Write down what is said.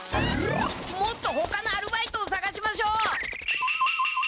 もっとほかのアルバイトをさがしましょう！